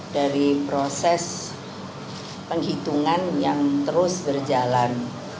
dari proses penghitungan yang terus berjalan